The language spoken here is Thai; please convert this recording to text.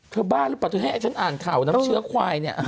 บ้าหรือเปล่าเธอให้ไอ้ฉันอ่านข่าวน้ำเชื้อควายเนี่ย